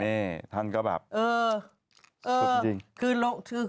นี่ท่านก็แบบสวดจริง